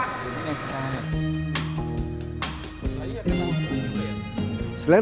lagi ada yang ada di dalam